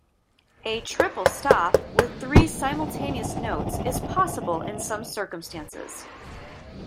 A "triple stop" with three simultaneous notes is possible in some circumstances.